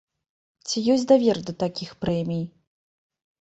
Ці ёсць давер да такіх прэмій?